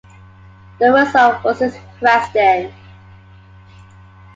Derozio was its president.